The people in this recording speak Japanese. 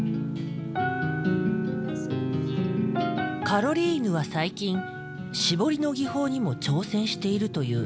カロリーヌは最近絞りの技法にも挑戦しているという。